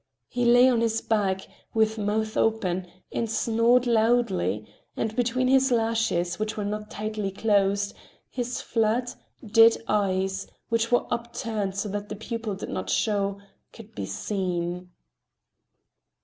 He lay on his back, with mouth open, and snored loudly, and between his lashes, which were not tightly closed, his flat, dead eyes, which were upturned so that the pupil did not show, could be seen.